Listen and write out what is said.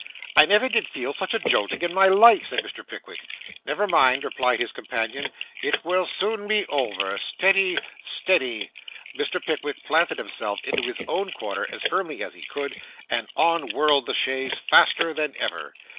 'I never did feel such a jolting in my life,' said Mr. Pickwick. 'Never mind,' replied his companion, 'it will soon be over. Steady, steady.' Mr. Pickwick planted himself into his own corner, as firmly as he could; and on whirled the chaise faster than ever.